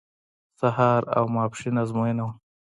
سهار او ماسپښین ازموینه وه.